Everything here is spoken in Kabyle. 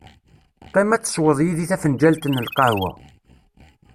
Qqim ad tesweḍ yid-i tafenǧalt n lqahwa.